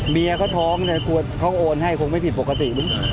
เมียเขาท้องเนี่ยกลัวเขาโอนให้คงไม่ผิดปกติมึง